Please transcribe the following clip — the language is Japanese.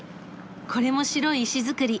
これも白い石造り。